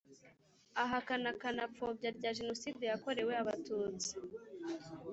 Ahakana akanapfobya rya Jenoside yakorewe Abatutsi.